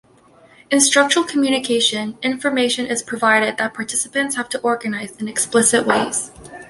In structural communication, information is provided that participants have to organize in explicit ways.